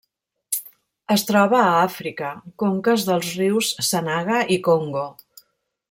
Es troba a Àfrica: conques dels rius Sanaga i Congo.